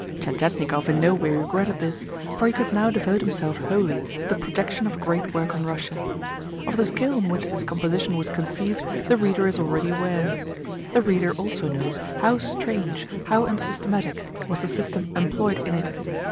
Tientietnikov in no way regretted this, for he could now devote himself wholly to the projection of a great work on Russia. Of the scale on which this composition was conceived the reader is already aware. The reader also knows how strange, how unsystematic, was the system employed in it.